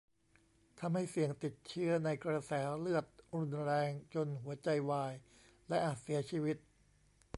ทำให้เสี่ยงติดเชื้อในกระแสเลือดรุนแรง จนหัวใจวาย และอาจเสียชีวิต